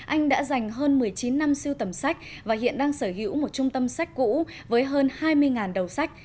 anh đã dành hơn một mươi chín năm siêu tầm sách và hiện đang sở hữu một trung tâm sách cũ với hơn hai mươi đầu sách